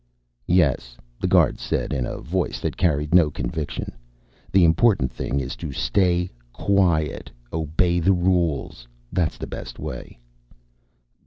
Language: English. "Yes," the guard said, in a voice that carried no conviction. "The important thing is, stay quiet. Obey the rules. That's the best way."